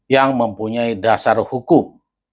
yang mempunyai dasar hukum